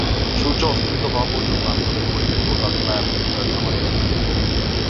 সূর্য অস্তমিত হওয়া পর্যন্ত আমি তাদের পরিত্যাগ করলাম না এবং পিতার খামারে গেলাম না।